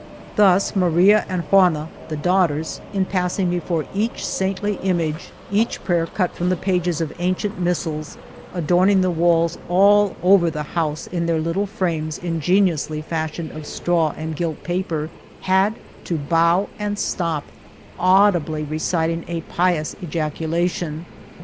Thus i6i El Toboso Maria and Juana, the daughters, in passing before each saintly image — each prayer cut from the pages of ancient missals, adorning the walls all over the house, in their little frames ingeniously fashioned of straw and gilt paper — had to bow and stop, audibly re citing a pious ejaculation.